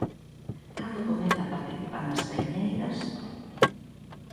Cando comeza a participar nas traiñeiras?